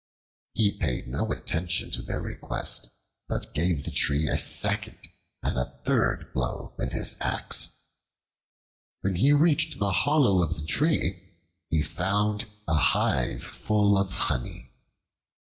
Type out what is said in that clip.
He paid no attention to their request, but gave the tree a second and a third blow with his axe. When he reached the hollow of the tree, he found a hive full of honey.